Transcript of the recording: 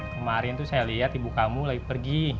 kemarin tuh saya lihat ibu kamu lagi pergi